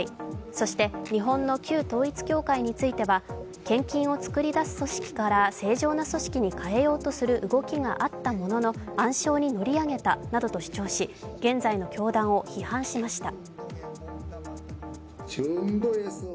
そして日本の旧統一教会については献金を作り出す組織から正常な組織に変えようとする動きがあったものの暗礁に乗り上げたなどと主張し現在の教団を批判しました。